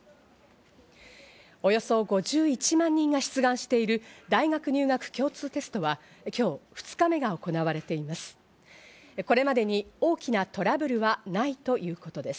およそ５１万人が出願している大学入学共通テストは今日２日目が行われています。